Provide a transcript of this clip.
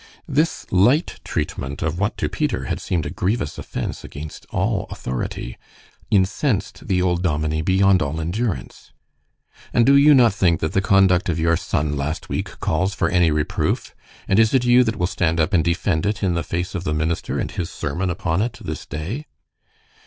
This light treatment of what to Peter had seemed a grievous offense against all authority incensed the old dominie beyond all endurance. "And do you not think that the conduct of your son last week calls for any reproof? And is it you that will stand up and defend it in the face of the minister and his sermon upon it this day?"